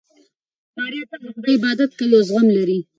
ماریا تل د خدای عبادت کوي او زغم لري.